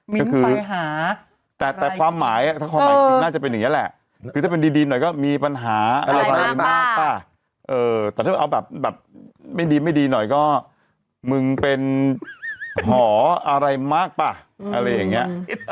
มิ้นไปหาแต่แต่ความหมายอ่ะถ้าความหมายน่าจะเป็นอย่างเงี้ยแหละคือถ้าเป็นดีดีหน่อยก็มีปัญหาอะไรมากป่ะอะไรมากป่ะเออแต่ถ้าเอาแบบแบบไม่ดีไม่ดีหน่อยก็มึงเป็นหออะไรมากป่ะอะไรอย่างเงี้ย